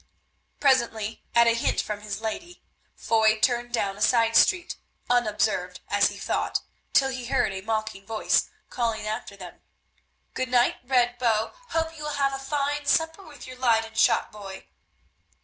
Presently, at a hint from his lady, Foy turned down a side street, unobserved, as he thought, till he heard a mocking voice calling after them, "Good night, Red Bow, hope you will have a fine supper with your Leyden shopboy."